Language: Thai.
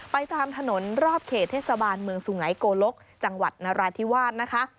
ตามถนนรอบเขตเทศบาลเมืองสุไงโกลกจังหวัดนราธิวาสนะคะ